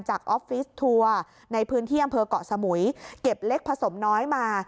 ออฟฟิศทัวร์ในพื้นที่อำเภอกเกาะสมุยเก็บเล็กผสมน้อยมา